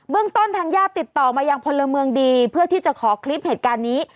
เรื่องต้นทางญาติติดต่อมายังพลเมืองดีเพื่อที่จะขอคลิปเหตุการณ์นี้